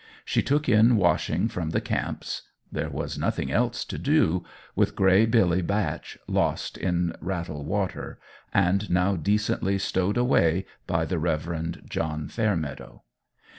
She took in washing from the camps: there was nothing else to do, with Gray Billy Batch lost in Rattle Water, and now decently stowed away by the Reverend John Fairmeadow.